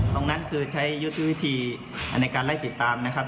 ตรงนั้นคือใช้ยุทธวิธีในการไล่ติดตามนะครับ